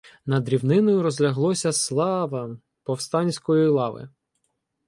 Над рівниною розляглося "Сла-а-а- ва-а!" повстанської лави.